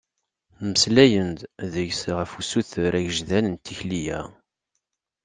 Mmeslayen-d deg-s ɣef usuter agejdan n tikli-a.